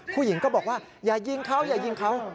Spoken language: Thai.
ผู้หญิงก็บอกว่าอย่ายิงเขาอย่ายิงเขา